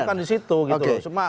maka perlu disatukan disitu